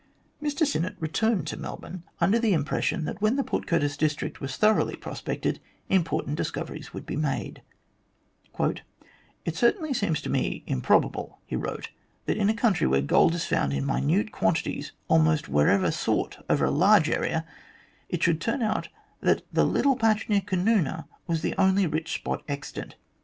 Mr Sinnett returned to Melbourne under the impression A MARVELLOUS WILD GOOSE CHASE 115 that when the Port Curtis district was thoroughly pro spected, important discoveries would be made, 11 It certainly seems to me improbable," he wrote, " that in a country where gold is found in minute quantities almost wherever sought over a large area, it should turn out that the little patch near Canoona was the only rich spot extant.